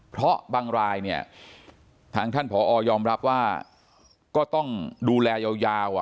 เพราะบางรายเนี่ยทางท่านผอยอมรับว่าก็ต้องดูแลยาว